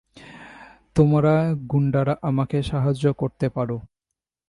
তোমরা গুণ্ডারা আমাকে সাহায্য করতে পারো।